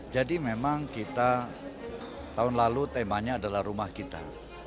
jadi memang kita tahun lalu temanya adalah rumah kita